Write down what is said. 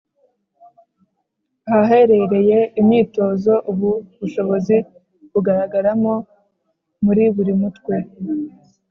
ahaherereye imyitozo ubu bushobozi bugaragaramo muri buri mutwe.